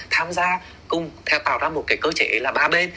tham gia cùng tạo ra một cái cơ chế là ba bên